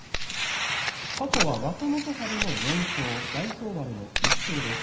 過去は若元春、４勝大翔丸の１勝です。